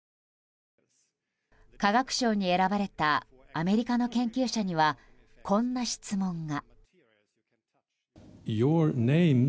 化学賞に選ばれたアメリカの研究者にはこんな質問が。